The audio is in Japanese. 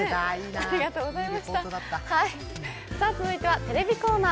続いてはテレビコーナー。